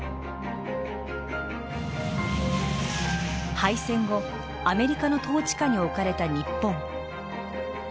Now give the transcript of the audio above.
敗戦後アメリカの統治下に置かれた日本。